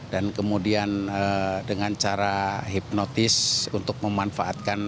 dan kemudian dengan cara hipnotis untuk memanfaatkan